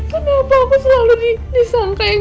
kenapa aku selalu disampai